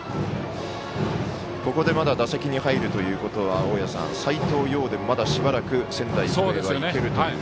ここで、まだ打席に入るということは斎藤蓉でまだしばらく仙台育英はいけるという。